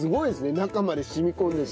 中まで染み込んでて。